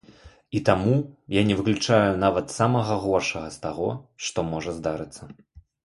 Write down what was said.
І таму я не выключаю нават самага горшага з таго, што можа здарыцца.